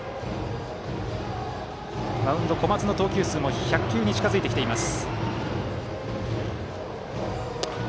マウンド、小松の投球数も１００球に近づいています。